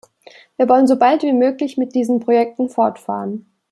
Wir wollen so bald wie möglich mit diesen Projekten fortfahren.